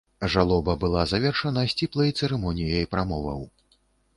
Жалоба была завершана сціплай цырымоніяй прамоваў.